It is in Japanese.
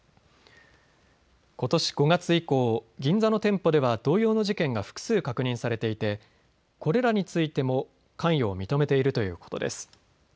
ことし５月以降、銀座の店舗では同様の事件が複数確認されていてこれらについても関与を認めているということです。